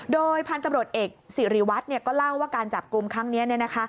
โดยพันธุ์ตำรวจเอกสิริวัตรก็เล่าว่าการจับกลุ่มครั้งนี้